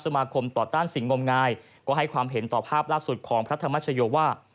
มาคมต่อต้านสิ่งงมงายก็ให้ความเห็นต่อภาพล่าสุดของพระธรรมชโยว่า